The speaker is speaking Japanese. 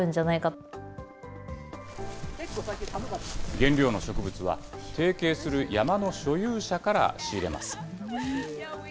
原料の植物は、提携する山の所有者から仕入れます。